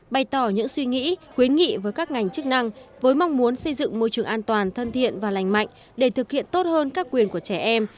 bày tỏ những suy nghĩ khuyến nghị với các ngành chức năng với mong muốn xây dựng môi trường an toàn thân thiện và lành mạnh để thực hiện tốt hơn các quyền của trẻ em